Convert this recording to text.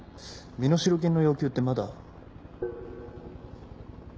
身代金の要求ってまだ。